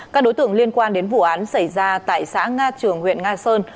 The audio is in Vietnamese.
các đối tượng liên quan đến vụ án xảy ra tại xã nga trường huyện nga sơn